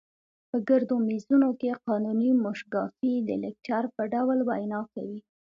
په ګردو میزونو کې قانوني موشګافۍ د لیکچر په ډول وینا کوي.